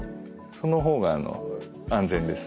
その方があの安全です。